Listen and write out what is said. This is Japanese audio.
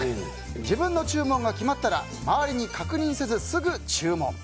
自分の注文が決まったら周りに確認せずすぐ注文。